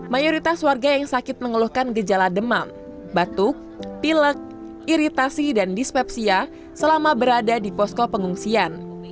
mayoritas warga yang sakit mengeluhkan gejala demam batuk pilek iritasi dan dispepsia selama berada di posko pengungsian